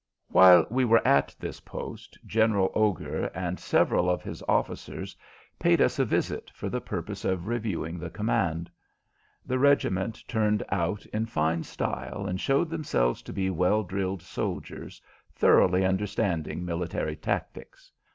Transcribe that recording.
While we were at this post General Augur and several of his officers paid us a visit for the purpose of reviewing the command. The regiment turned out in fine style and showed themselves to be well drilled soldiers, thoroughly understanding military tactics.